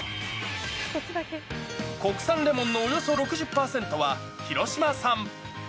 国産レモンのおよそ６０％は広島産。